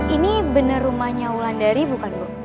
ini benar rumahnya ulan dari bukan bu